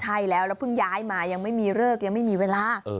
ใช่แล้วแล้วเพิ่งย้ายมายังไม่มีเลิกยังไม่มีเวลา